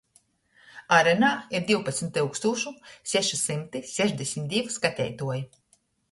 Arenā ir divpadsmit tyukstūšu seši symti sešdesmit div skateituoji.